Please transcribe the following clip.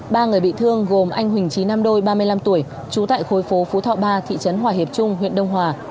ba người bị thương gồm anh huỳnh trí nam đôi ba mươi năm tuổi trú tại khối phố phú thọ ba thị trấn hòa hiệp trung huyện đông hòa